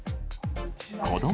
子ども